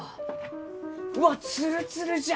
うわっツルツルじゃ！